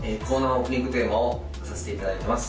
オープニングテーマをさせていただいてます